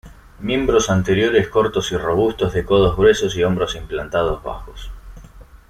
Miembros anteriores cortos y robustos de codos gruesos y hombros implantados bajos.